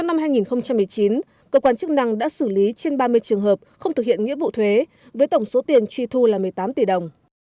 năm hai nghìn một mươi chín cơ quan chức năng đã xử lý trên ba mươi trường hợp không thực hiện nghĩa vụ thuế với tổng số tiền truy thu là một mươi tám tỷ đồng